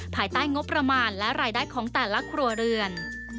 ภายใต้งบประมาณและรายได้ของแต่ละครัวเรือน